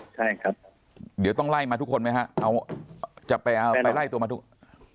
ใช่ครับเดี๋ยวต้องไล่มาทุกคนไหมฮะเอาจะไปเอาไปไล่ตัวมาทุก